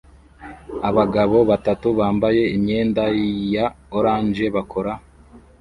Abagabo batatu bambaye imyenda ya orange bakora